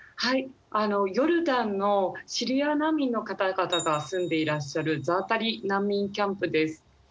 ヨルダンのシリア難民の方々が住んでいらっしゃるザータリ難民キャンプです。